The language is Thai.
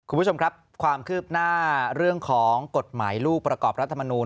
คุณผู้ชมครับความคืบหน้าเรื่องของกฎหมายลูกประกอบรัฐมนูล